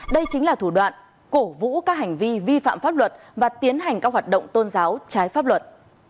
đây chính là thủ đoạn cổ vũ các hành vi vi phạm pháp luật và tiến hành các hoạt động tôn giáo trái pháp luật